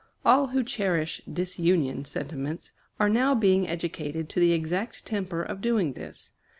All who cherish disunion sentiments are now being educated to the exact temper of doing this.